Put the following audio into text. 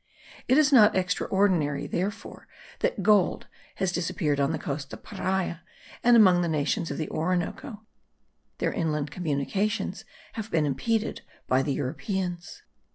It is not extraordinary, therefore, that gold has disappeared on the coast of Paria, and among the nations of the Orinoco, their inland communications have been impeded by the Europeans.